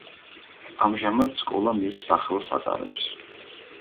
ამჟამად სკოლა მის სახელს ატარებს.